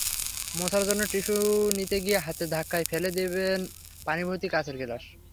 মোছার জন্য টিস্যু নিতে গিয়ে হাতের ধাক্কায় ফেলে দেবেন পানিভর্তি কাচের গ্লাস।